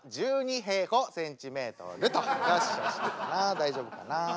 大丈夫かな。